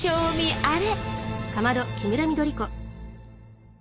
あれ？